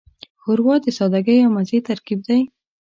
ښوروا د سادګۍ او مزې ترکیب دی.